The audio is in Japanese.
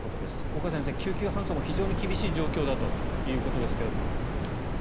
岡先生、救急搬送も非常に厳しい状況だということですが。